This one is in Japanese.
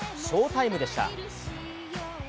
タイムでした。